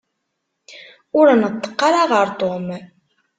Ur neṭṭeq ara ɣer Tom.